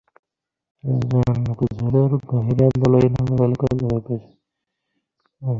এইরূপে হেমনলিনী নিমন্ত্রণে যাইবার জন্য হঠাৎ তাহার স্বভাববিরুদ্ধ অত্যন্ত উৎসাহ প্রকাশ করিল।